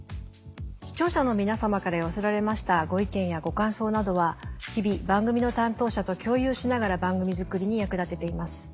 視聴者の皆様から寄せられましたご意見やご感想などは日々番組の担当者と共有しながら番組作りに役立てています。